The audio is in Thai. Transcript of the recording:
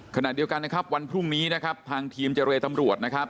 ขณะเดียวกันวันพรุ่งนี้ทางทีมเจริญส์ตำรวจ